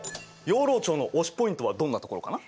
養老町の推しポイントはどんなところかな？